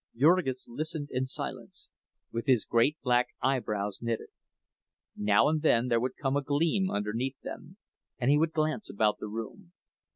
Jurgis listened in silence, with his great black eyebrows knitted. Now and then there would come a gleam underneath them and he would glance about the room.